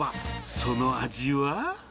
その味は。